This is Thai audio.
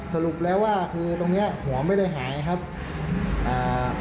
สรุปแล้วว่าคือตรงเนี้ยหัวไม่ได้หายครับอ่า